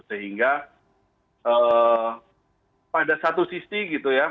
sehingga pada satu sisi gitu ya